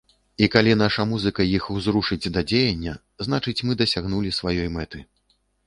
І калі наша музыка іх узрушыць да дзеяння, значыць мы дасягнулі сваёй мэты.